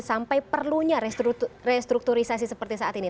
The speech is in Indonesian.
terutama kita nggak sampai perlunya restrukturisasi seperti saat ini